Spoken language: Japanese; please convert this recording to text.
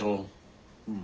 うん。